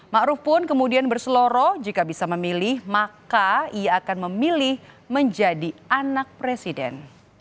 ⁇ maruf pun kemudian berseloro jika bisa memilih maka ia akan memilih menjadi anak presiden